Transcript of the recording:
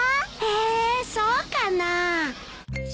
えそうかな？